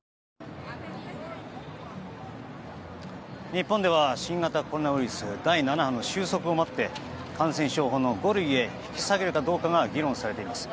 日本では新型コロナウイルス第７波の収束を待って感染症法の五類へ引き下げるかどうかが議論されています。